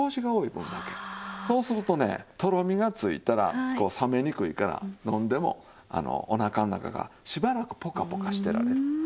そうするとねとろみがついたらこう冷めにくいから飲んでもおなかの中がしばらくポカポカしてられる。